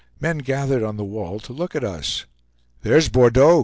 Men gathered on the wall to look at us. "There's Bordeaux!"